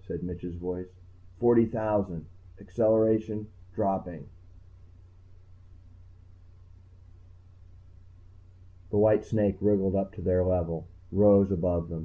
said Mitch's voice, "40,000.... Acceleration ... dropping." The white snake wriggled up to their level, rose above them.